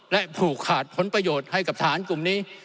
และผูกขาดผลประโยชน์ให้กับทหารกลุ่มนี้